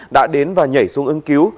đã đến và nhảy xuống ứng cứu